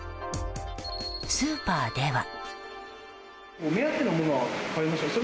スーパーでは。